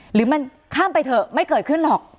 หรือมันข้ามไปเถอะไม่เกิดขึ้นหรอก